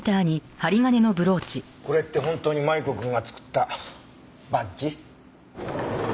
これって本当にマリコ君が作ったバッジ？